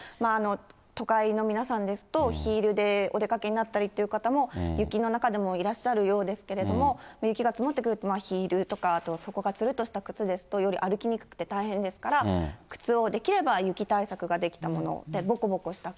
都会の皆さんですと、ヒールでお出かけになったりという方も雪の中でもいらっしゃるようですけれども、雪が積もってくると、ヒールとか、あと底がつるっとした靴ですと、より歩きにくくて大変ですから、靴をできれば雪対策をできたもの、ぼこぼこした靴。